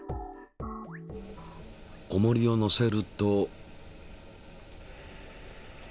おもりをのせると。